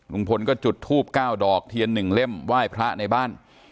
ลุงพลก็จุดทูบ๙ดอกเทียน๑เล่มไหว้พระในบ้าน